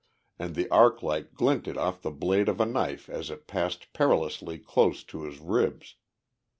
and the arc light glinted off the blade of a knife as it passed perilously close to his ribs.